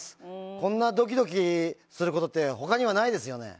こんなどきどきすることって他にはないですよね。